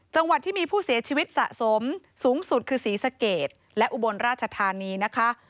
จังหวัดที่มีผู้เสียชีวิตสะสมสูงสุดคือศรีสะเกดและอุบลราชธานีนะคะ